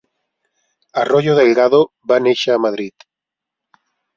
Arroyo Delgado va néixer a Madrid.